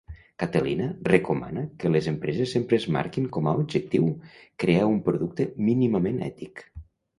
Catelina recomana que les empreses sempre es marquin com a objectiu crear un producte mínimament ètic.